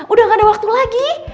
udah gak ada waktu lagi